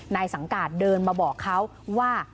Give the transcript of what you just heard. นายสังการเดินมาบอกเขาว่า